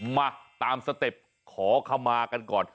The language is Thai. มาตามสเต็ปขอขมากันก่อน